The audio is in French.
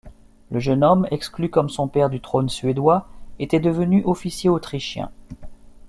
Le jeune homme, exclu comme son père du trône suédois, était devenu officier autrichien.